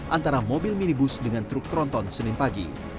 antara mobil minibus dengan truk tronton senin pagi